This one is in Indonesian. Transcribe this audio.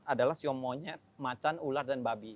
adalah sio monyet macan ular dan babi